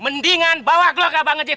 mendingan bawa keluarga bang ngecip